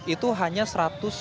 itu hanya seratus orang